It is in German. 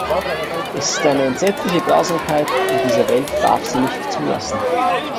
Es ist eine entsetzliche Grausamkeit, und diese Welt darf sie nicht zulassen.